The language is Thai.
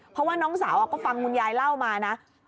เพราะว่าน้องสาวก็ฟังคุณยายเล่ามานะ